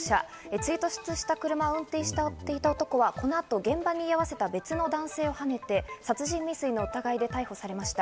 追突した車を運転していた男はこの後、現場に居合わせた別の男性をはね、殺人未遂の疑いで逮捕されました。